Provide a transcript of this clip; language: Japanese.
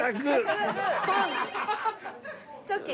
チョキ。